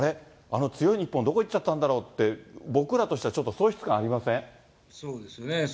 あの強い日本、どこいっちゃったんだろうって、僕らとしてはちょっと喪失感ありそうですね。